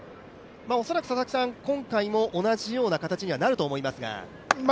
恐らく、今回も同じような形にはなると思いますが。